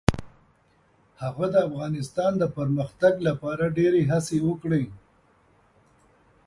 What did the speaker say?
هغه د افغانستان د پرمختګ لپاره ډیرې هڅې وکړې.